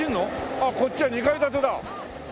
あっこっちは２階建てだ。